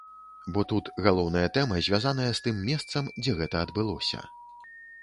Бо тут галоўная тэма звязаная з тым месцам, дзе гэта адбылося.